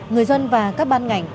người dân và các ban ngành